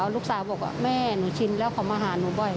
ลูกสาวบอกว่าแม่หนูชินแล้วเขามาหาหนูบ่อย